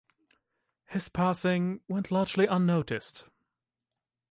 His passing went largely unnoticed.